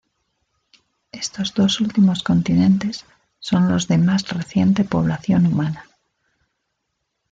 Estos dos últimos continentes son los de más reciente población humana.